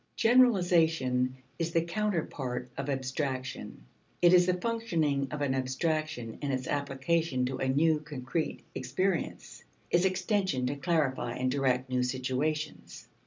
Generalization is the counterpart of abstraction. It is the functioning of an abstraction in its application to a new concrete experience, its extension to clarify and direct new situations.